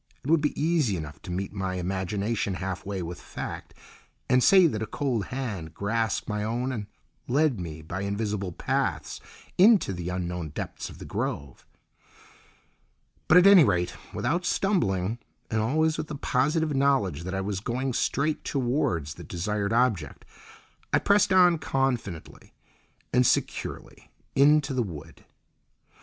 It would be easy enough to meet my imagination half way with fact, and say that a cold hand grasped my own and led me by invisible paths into the unknown depths of the grove; but at any rate, without stumbling, and always with the positive knowledge that I was going straight towards the desired object, I pressed on confidently and securely into the wood.